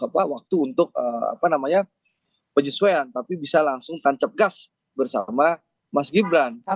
apa waktu untuk penyesuaian tapi bisa langsung tancap gas bersama mas gibran